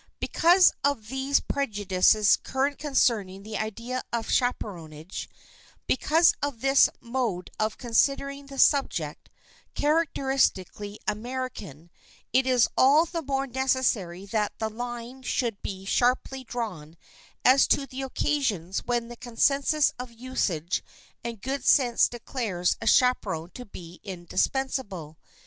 [Sidenote: DOING WITHOUT CHAPERONS] Because of these prejudices current concerning the idea of chaperonage, because of this mode of considering the subject, characteristically American, it is all the more necessary that the line should be sharply drawn as to the occasions where the consensus of usage and good sense declares a chaperon to be indispensable.